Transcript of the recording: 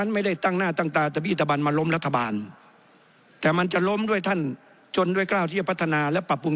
มาล้มรัฐบาลแต่มันจะล้มด้วยท่านจนด้วยกล้าวที่จะพัฒนาและปรับปรุง